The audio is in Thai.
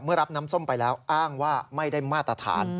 รับน้ำส้มไปแล้วอ้างว่าไม่ได้มาตรฐาน